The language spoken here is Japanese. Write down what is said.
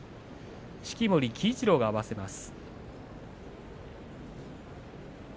式守鬼一郎が合わせます。